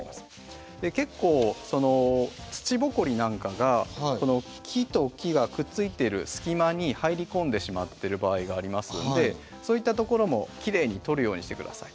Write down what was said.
結構土ぼこりなんかが木と木がくっついている隙間に入り込んでしまってる場合がありますんでそういったところもきれいに取るようにして下さい。